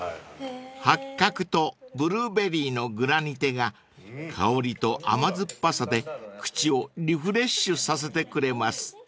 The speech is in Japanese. ［八角とブルーベリーのグラニテが香りと甘酸っぱさで口をリフレッシュさせてくれます］